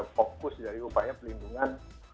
fokus dari upaya pelindungan